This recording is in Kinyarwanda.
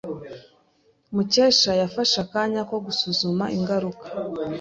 Mukesha yafashe akanya ko gusuzuma ingaruka.